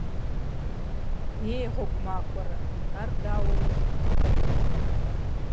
- Е гъуэгу махуэрэ! Ар дауэ ухъу?